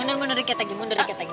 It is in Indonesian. mundur mundur diketegi mundur diketegi